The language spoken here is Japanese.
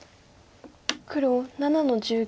黒７の十九。